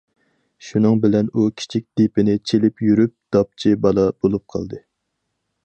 شۇنىڭ بىلەن ئۇ كىچىك دېپىنى چېلىپ يۈرۈپ،‹‹ داپچى بالا›› بولۇپ قالدى.